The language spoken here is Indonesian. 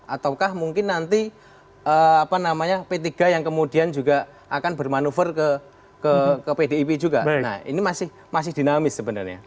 ataukah mungkin nanti apa namanya p tiga yang kemudian juga akan bermanuver ke pdip juga nah ini masih dinamis sebenarnya